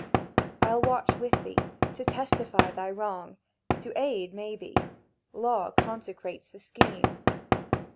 I'll watch with thee, to testify thy wrong— To aid, maybe.—Law consecrates the scheme."